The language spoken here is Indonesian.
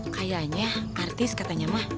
kayaknya artis katanya mah